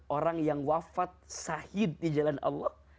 orang yang wafat sahid di jalan allah